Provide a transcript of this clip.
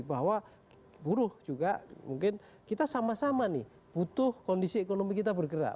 bahwa buruh juga mungkin kita sama sama nih butuh kondisi ekonomi kita bergerak